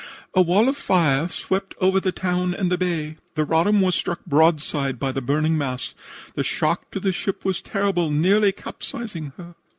A wall of fire swept over the town and the bay. The Roddam was struck broadside by the burning mass. The shock to the ship was terrible, nearly capsizing her.